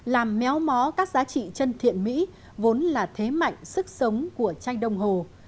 làm méo mó các giá trị chân thiện mỹ vốn là thế mạnh sức sống của tranh đông hồ